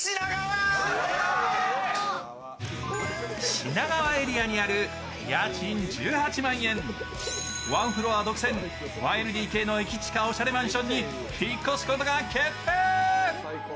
品川エリアにある家賃１８万円、ワンフロア独占、１ＬＤＫの駅チカマンションに引っ越すことが決定！